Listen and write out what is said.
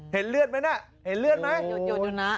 เห็นเลือดไหมนะหยุดนะ